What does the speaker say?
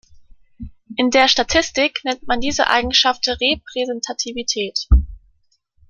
In der Statistik nennt man diese Eigenschaft Repräsentativität.